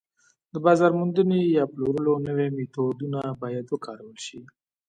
د بازار موندنې یا پلورلو نوي میتودونه باید وکارول شي